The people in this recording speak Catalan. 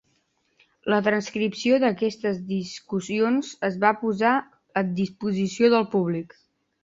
La transcripció d'aquestes discussions es va posar a disposició del públic.